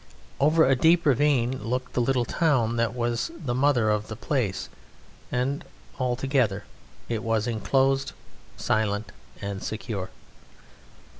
Over a deep ravine looked the little town that was the mother of the place, and altogether it was enclosed, silent, and secure.